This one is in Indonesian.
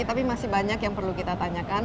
tapi masih banyak yang perlu kita tanyakan